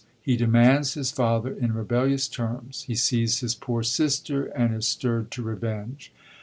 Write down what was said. He demands his father in i*ebellious terms; he sees his poor sister, and is stird to revenge.